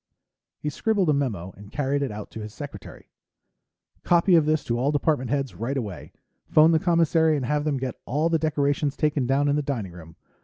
He scribbled a memo and carried it out to his secretary. "Copy of this to all department heads, right away. Phone the commissary and have them get all the decorations taken down in the dining room.